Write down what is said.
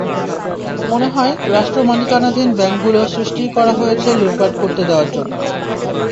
মনে হয়, রাষ্ট্রমালিকানাধীন ব্যাংকগুলো সৃষ্টিই করা হয়েছে লুটপাট করতে দেওয়ার জন্য।